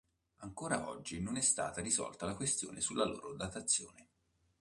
Ancora oggi non è stata risolta la questione sulla loro datazione.